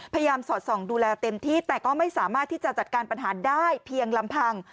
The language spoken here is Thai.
สอดส่องดูแลเต็มที่แต่ก็ไม่สามารถที่จะจัดการปัญหาได้เพียงลำพัง